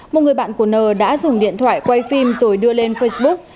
một người bạn của n đã dùng điện thoại quay phim rồi đưa lên facebook